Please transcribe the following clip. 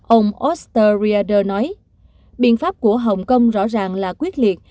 ông ostenrieder nói biện pháp của hồng kông rõ ràng là quyết liệt